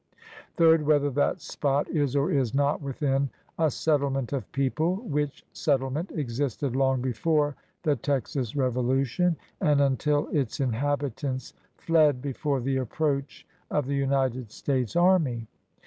Third. Whether that spot is or is not within a settle ment of people, which settlement existed long before the Texas revolution and until its inhabitants fled before the approach of the United States Army.